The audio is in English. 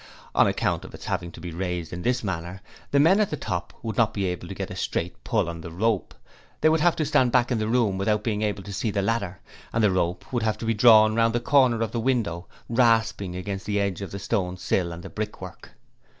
On account of its having to be raised in this manner the men at the top would not be able to get a straight pull on the rope; they would have to stand back in the room without being able to see the ladder, and the rope would have to be drawn round the corner of the window, rasping against the edge of the stone sill and the brickwork.